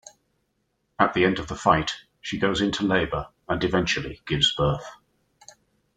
At the end of the fight, she goes into labor and eventually gives birth.